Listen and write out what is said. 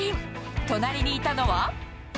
隣にいたのは。